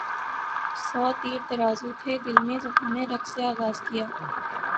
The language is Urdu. سو تیر ترازو تھے دل میں جب ہم نے رقص آغاز کیا